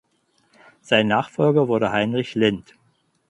Sein Nachfolger wurde Heinrich Lind.